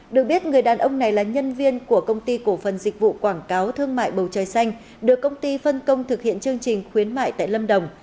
được biết người đàn ông này là nhân viên của công ty cổ phần dịch vụ quảng cáo thương mại bầu trời xanh được công ty phân công thực hiện chương trình khuyến mại tại lâm đồng